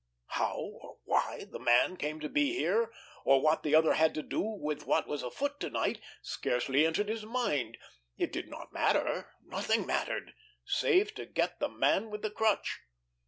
How or why the man came to be here, or what the other had to do with what was afoot to night, scarcely entered his mind. It did not matter! Nothing mattered—save to get the Man with the Crutch.